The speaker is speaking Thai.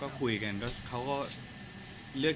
ครอบครัวมีน้องเลยก็คงจะอยู่บ้านแล้วก็เลี้ยงลูกให้ดีที่สุดค่ะ